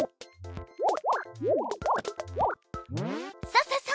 そうそうそう！